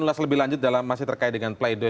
ulas lebih lanjut dalam masih terkait dengan play doh